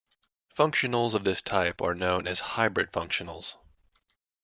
Functionals of this type are known as hybrid functionals.